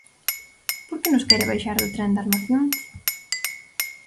¿Por que nos quere baixar do tren das nacións?